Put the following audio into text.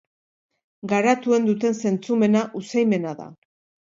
Garatuen duten zentzumena usaimena da.